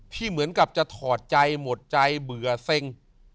ที่เหมือนกับจะถอดใจหมดใจเบื่อเซ็ง